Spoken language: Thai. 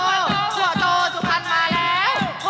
โอ้โหโอ้โหโอ้โห